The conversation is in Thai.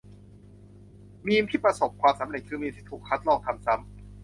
มีมที่ประสบความสำเร็จ คือมีมที่ถูกคัดลอก ทำซ้ำ